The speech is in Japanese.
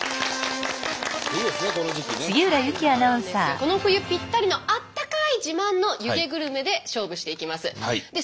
この冬ぴったりのあったかい自慢の湯気グルメで勝負していきます。